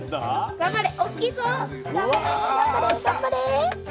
頑張れ！